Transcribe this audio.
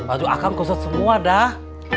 aduh akang gosot semua dah